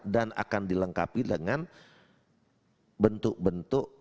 dan akan dilengkapi dengan bentuk bentuk